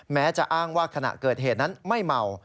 แม้จะอ้างว่าขณะเกิดเหตุนั้นไม่เมา